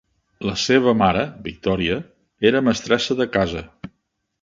La seva mare, Victoria, era mestressa de casa.